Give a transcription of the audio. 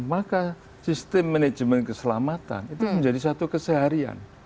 maka sistem manajemen keselamatan itu menjadi satu keseharian